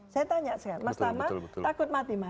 saya tanya sekarang mas tama takut mati mas